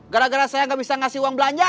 gara gara saya nggak bisa ngasih uang belanja